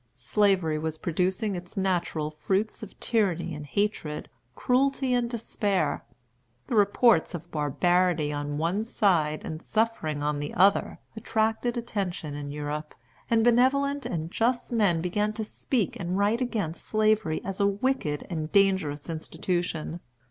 Slavery was producing its natural fruits of tyranny and hatred, cruelty and despair. The reports of barbarity on one side and suffering on the other attracted attention in Europe; and benevolent and just men began to speak and write against Slavery as a wicked and dangerous institution.